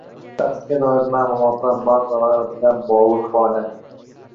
shaxsga doir ma’lumotlar bazalari bilan bog'liq faoliyat.